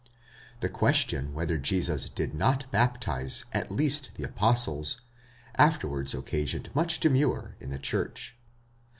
The question whether Jesus did not baptize at least the apostles, afterwards occasioned much demur in the church.